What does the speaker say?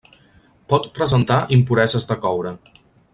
Pot presentar impureses de coure.